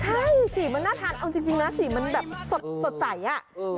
ใช่สีมาน่ารยาธารอ่ะจริงสีมันสดใหม่